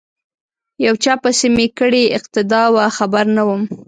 یو چا پسې می کړې اقتدا وه خبر نه وم